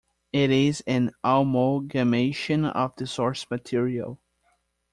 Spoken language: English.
It is an amalgamation of the source material.